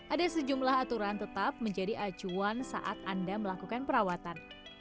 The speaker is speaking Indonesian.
ada sejumlah aturan tetap menjadi acuan saat anda melakukan perawatan